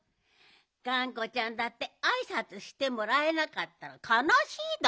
がんこちゃんだってあいさつしてもらえなかったらかなしいだろう？